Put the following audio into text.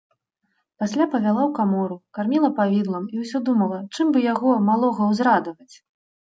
Пасля павяла ў камору, карміла павідлам і ўсё думала, чым бы яго, малога, узрадаваць.